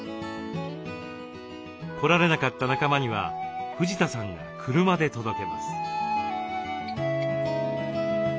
来られなかった仲間には藤田さんが車で届けます。